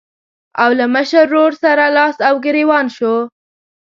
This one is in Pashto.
او له مشر ورور سره لاس او ګرېوان شو.